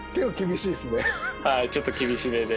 はいちょっと厳しめで。